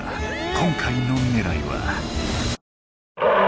今回のねらいは。